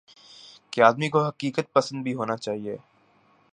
کہ آدمی کو حقیقت پسند بھی ہونا چاہیے۔